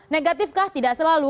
negatif kah tidak selalu